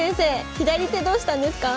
左手どうしたんですか？